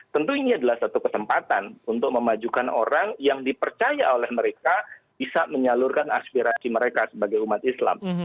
tentu ini adalah satu kesempatan untuk memajukan orang yang dipercaya oleh mereka bisa menyalurkan aspirasi mereka sebagai umat islam